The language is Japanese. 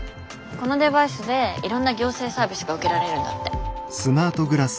このデバイスでいろんな行政サービスが受けられるんだって。